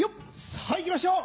さぁ行きましょう！